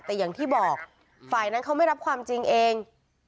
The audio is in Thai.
แต่อย่างที่บอกฝ่ายนั้นเขาไม่รับความจริงเอง